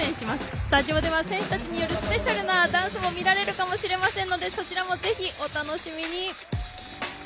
スタジオでは選手たちによるスペシャルなダンスも見られるかもしれませんのでそちらもぜひ、お楽しみに。